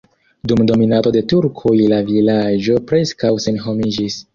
Dun dominado de turkoj la vilaĝo preskaŭ senhomiĝis.